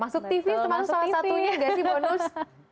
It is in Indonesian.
masuk tv satu satunya gak sih bonus